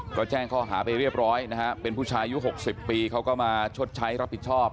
ก็แจ้งข้อหาไปเรียบร้อยนะฮะเป็นผู้ชายอายุ๖๐ปีเขาก็มาชดใช้รับผิดชอบ